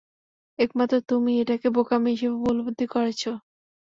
একমাত্র তুমিই এটাকে বোকামি হিসেবে উপলব্ধি করেছ।